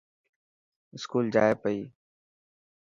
اسڪول جائي پئي.